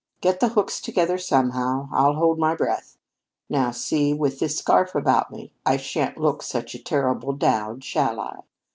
Get the hooks together somehow. I'll hold my breath. Now, see, with this scarf about me, I shan't look such a terrible dowd, shall I?